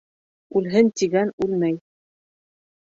Үлһен тигән үлмәй.